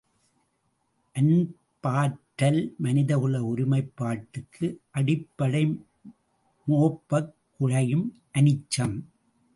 அன்பாற்றல் மனிதகுல ஒருமைப்பாட்டுக்கு அடிப்படை மோப்பக் குழையும் அனிச்சம்!